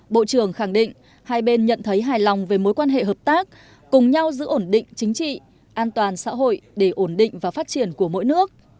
bộ trưởng khẳng định hai bên nhận thấy hài lòng về mối quan hệ hợp tác cùng nhau giữ ổn định chính trị an toàn xã hội để ổn định và phát triển của mỗi nước